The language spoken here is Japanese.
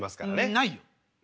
んないよ。